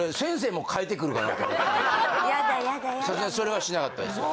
もうさすがにそれはしなかったですか